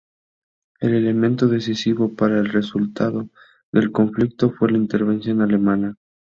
El elemento decisivo para el resultado del conflicto fue la intervención alemana.